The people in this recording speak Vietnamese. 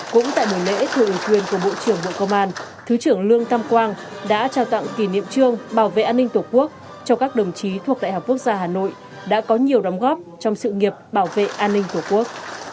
cũng tại buổi lễ thừa ủy quyền của bộ trưởng bộ công an thứ trưởng lương tam quang đã trao tặng kỷ niệm trương bảo vệ an ninh tổ quốc cho các đồng chí thuộc đại học quốc gia hà nội đã có nhiều đóng góp trong sự nghiệp bảo vệ an ninh tổ quốc